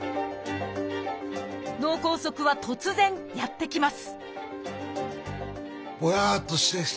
脳梗塞は突然やって来ます